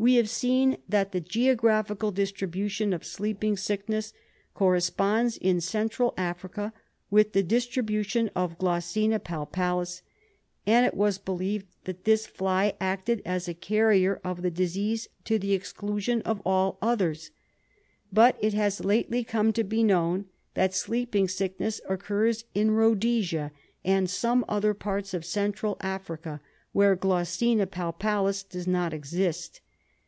We have seen that the geographical distribution of sleep ing sickness corresponds in Central Africa with the distri bution of Glossina palpalis, and it was believed that this fly acted as a carrier of the disease to the exclusion of all others. But it has lately come to be known that sleeping sickness occurs in Ehodesia and some other parts of Central Africa, where Glossina palpalis does not exist.